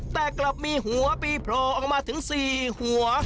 แต่กลับมีหัวปีโผล่ออกมาถึง๔หัว